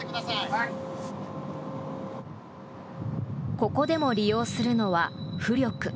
ここでも利用するのは浮力。